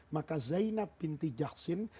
maka zainab binti jaksin